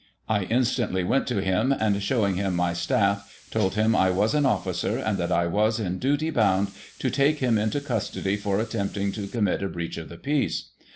I instantly went to him, and, shew ing him my staff, told him I was an officer, and that I was, in duty, bound to take him into custody, for attempting to commit a breach of the peace.